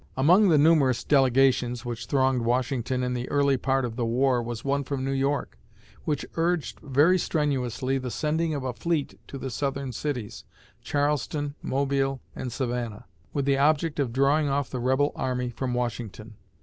Among the numerous delegations which thronged Washington in the early part of the war was one from New York, which urged very strenuously the sending of a fleet to the southern cities Charleston, Mobile, and Savannah with the object of drawing off the rebel army from Washington.